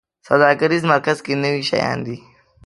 سوداګریز مرکز کې نوي شیان دي